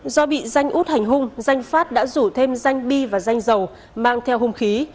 do bị danh út hành hung danh phát đã rủ thêm danh bi và danh dầu mang theo hung khí